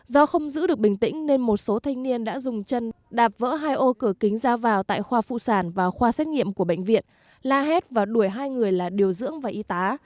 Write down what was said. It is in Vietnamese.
do không giữ được bình tĩnh nên một số thanh niên đã dùng chân đạp vỡ hai ô cửa kính ra vào tại khoa phụ sản và khoa xét nghiệm của bệnh viện la hét và đuổi hai người là điều dưỡng và y tá